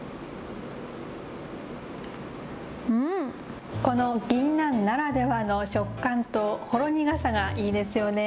うん、このぎんなんならではの食感とほろ苦さがいいですよね。